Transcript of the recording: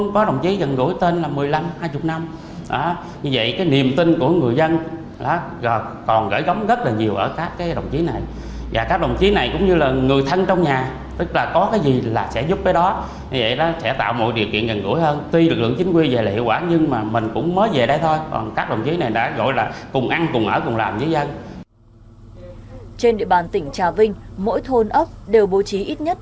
trên địa bàn tỉnh trà vinh mỗi thôn ấp đều bố trí ít nhất